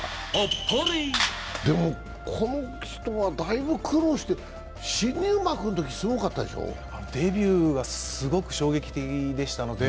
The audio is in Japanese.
でも、この人はだいぶ苦労して、新入幕のときすごかったでしょデビューがすごく衝撃的でしたので。